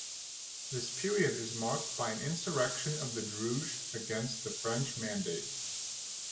This period is marked by an insurrection of the Druze against the French mandate.